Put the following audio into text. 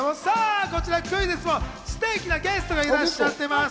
こちらクイズッスもステキなゲストがいらっしゃってます。